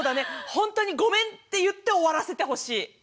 「本当にごめん」って言って終わらせてほしい。